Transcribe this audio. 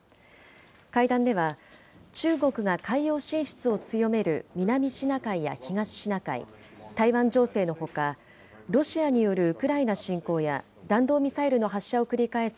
会談では、中国が海洋進出を強める南シナ海や東シナ海、台湾情勢のほか、ロシアによるウクライナ侵攻や弾道ミサイルの発射を繰り返す